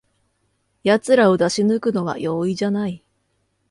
やつらを出し抜くのは容易じゃない